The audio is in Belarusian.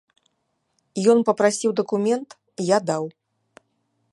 Ён папрасіў дакумент, я даў.